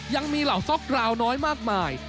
ยังมีเหล่าซ็อกกราวน้อยมากมาย